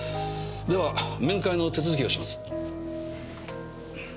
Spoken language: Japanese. では面会の手続きをします。